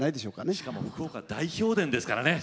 しかも福岡大票田ですからね。